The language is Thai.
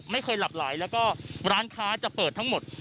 ไม่เคยหลับไหลแล้วก็ร้านค้าจะเปิดทั้งหมด